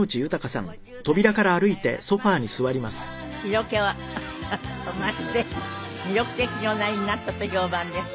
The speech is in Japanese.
色気は増して魅力的におなりになったと評判です。